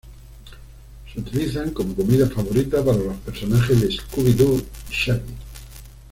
Se utilizan como comida favorita para los personajes de Scooby-Doo y Shaggy.